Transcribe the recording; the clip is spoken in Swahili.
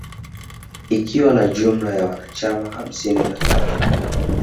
Ikiwa na jumla ya wanachama hamsini na tatu